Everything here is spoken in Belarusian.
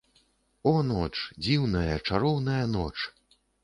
О, ноч, дзіўная, чароўная ноч!